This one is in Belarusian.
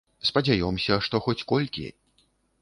Спадзяёмся, што хоць колькі.